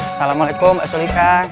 assalamualaikum mbak solika